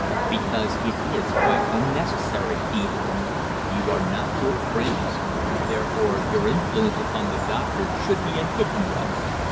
"Because it is quite unnecessary," he answered. "You are not good friends; therefore your influence upon the doctor should be a hidden one.